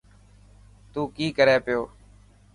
تون ڪي ڪري پيو.